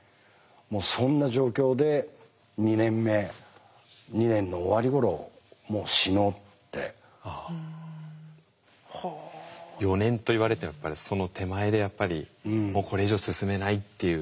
もうそんな状況で２年目２年の終わりごろ４年と言われてその手前でやっぱりもうこれ以上進めないっていう。